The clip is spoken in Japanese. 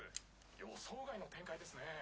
予想外の展開ですね。